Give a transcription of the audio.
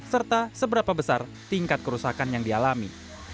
serta seberapa besar tingkat kerusakan yang dialami